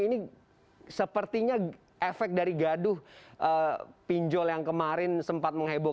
ini sepertinya efek dari gaduh pinjol yang kemarin sempat menghebohkan